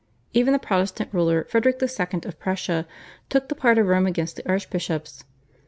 Even the Protestant ruler Frederick II. of Prussia took the part of Rome against the archbishops.